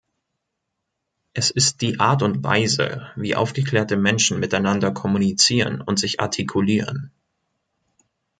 Es ist die Art und Weise, wie aufgeklärte Menschen miteinander kommunizieren und sich artikulieren.